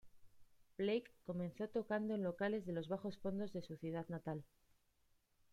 Blake comenzó tocando en locales de los bajos fondos de su ciudad natal.